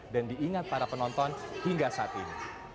diingat para penonton hingga saat ini